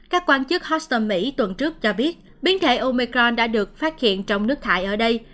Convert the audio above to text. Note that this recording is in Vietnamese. các quan chức hostel mỹ tuần trước cho biết biến thể omecron đã được phát hiện trong nước thải ở đây